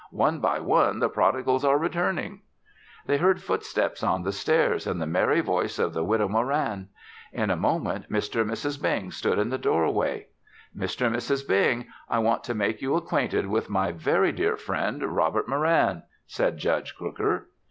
"One by one, the prodigals are returning." They heard footsteps on the stairs and the merry voice of the Widow Moran. In a moment, Mr. and Mrs. Bing stood in the doorway. "Mr. and Mrs. Bing, I want to make you acquainted with my very dear friend, Robert Moran," said Judge Crooker.